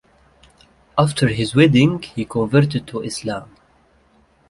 After his wedding, he converted to Islam.